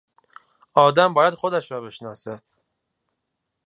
آدم باید خودش رابشناسد.